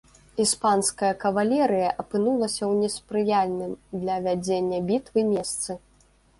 Іспанская кавалерыя апынулася ў неспрыяльным для вядзення бітвы месцы.